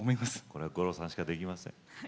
これは五郎さんしかできません。